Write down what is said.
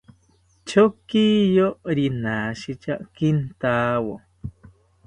Chokiyo rinashita kintawo